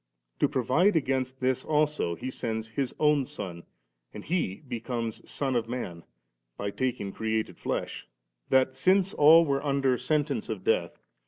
To provide against this also. He sends His own Son, and He becomes Son of Man, by taking created flesh ; that, since all were under sentence of death.